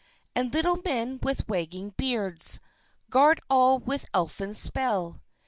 _ _And Little Men with wagging beards, Guard all with Elfin spell.